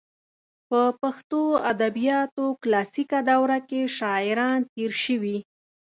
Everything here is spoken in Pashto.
په پښتو ادبیاتو کلاسیکه دوره کې شاعران تېر شوي.